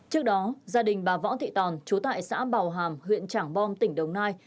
trước đó gia đình bà võ thị tòn chú tại xã bào hàm huyện trảng bom tỉnh đồng nai